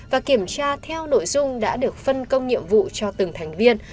và kiểm tra theo nội dung đã được phân công nhiệm vụ cho từng thành viên